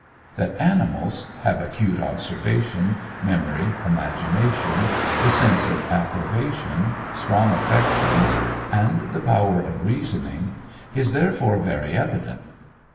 That animals have acute observation, memory, imagination, the sense of approbation, strong affections, and the power of reasoning is therefore very evident.